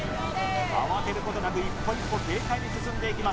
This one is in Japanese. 慌てることなく一歩一歩軽快に進んでいきます